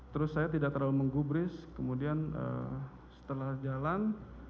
terus saya tidak terlalu menggubris kemudian setelah jalan